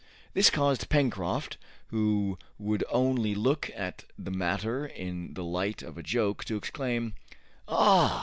This caused Pencroft, who would only look at the matter in the light of a joke, to exclaim, "Ah!